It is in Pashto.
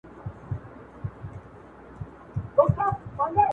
که د دې اصولو په رڼا کې